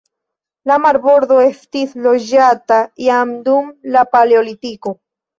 La marbordo estis loĝata jam dum la paleolitiko.